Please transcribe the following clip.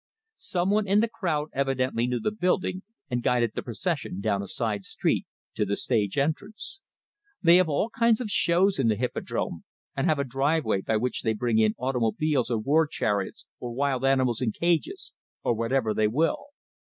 Some one in the crowd evidently knew the building, and guided the procession down a side street, to the stage entrance. They have all kinds of shows in the "Hippodrome," and have a driveway by which they bring in automobiles, or war chariots, or wild animals in cages, or whatever they will.